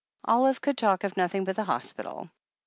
Olive could talk of nothing but the hospital.